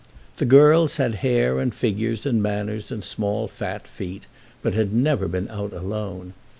The girls had hair and figures and manners and small fat feet, but had never been out alone.